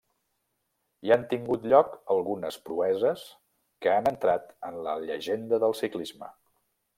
Hi han tingut lloc algunes proeses que han entrat en la llegenda del ciclisme.